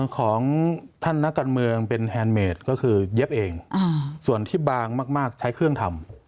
ของท่านนักการเมืองเป็นแฮนดเมดก็คือเย็บเองส่วนที่บางมากใช้เครื่องทำ